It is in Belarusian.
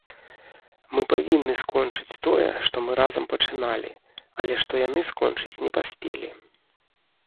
Мы павінны скончыць тое, што мы разам пачыналі, але што яны скончыць не паспелі.